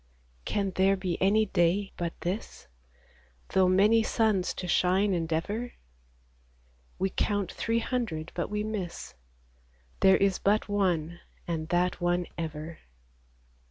Can there be any day but this, Though many suns to shine endeavor ? We count three hundred, but we miss : There is but one, and that one ever.